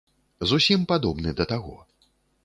Зусім падобны да таго.